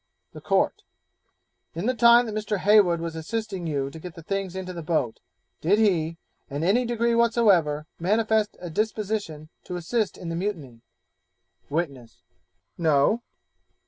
The Court 'In the time that Mr. Heywood was assisting you to get the things into the boat, did he, in any degree whatever, manifest a disposition to assist in the mutiny?' Witness 'No.'